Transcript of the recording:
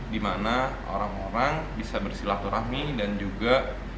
di mana orang orang bisa bersilaturahmi dan juga